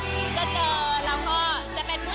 แล้วคิดว่าเฮ้ยถามหน่อยเป็นผู้หญิงหรือผู้ชายที่เอามาให้